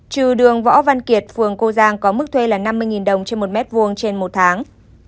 trừ đường võ văn kiệt phường cô giang có mức thuê là năm mươi đồng trên một mét vuông trên một tháng